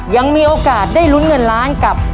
ยังมีโอกาสได้ลุ้นเงินล้านกับ